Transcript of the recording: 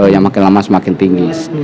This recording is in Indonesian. yang makin lama semakin tinggi